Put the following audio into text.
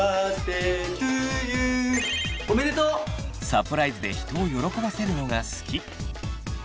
サプライズで人を喜ばせるのが好き。